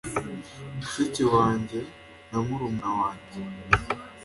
Mushiki wanjye na murumuna wanjye